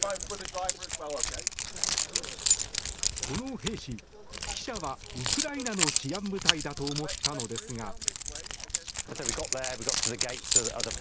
この兵士、記者はウクライナの治安部隊だと思ったのですが。